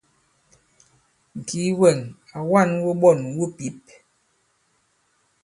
Ŋ̀kìi wɛ̂ŋ à wa᷇n wuɓɔn wu pǐp.